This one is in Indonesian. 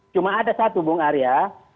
cuma ada satu bung arya